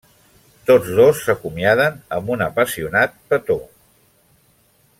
Tots dos s'acomiaden amb un apassionat petó.